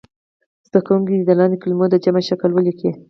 زده کوونکي دې د لاندې کلمو د جمع شکل ولیکي.